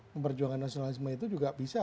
memperjuangkan nasionalisme itu juga bisa